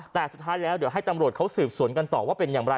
แต่สุดท้ายแล้วเดี๋ยวให้ตำรวจเขาสืบสวนกันต่อว่าเป็นอย่างไร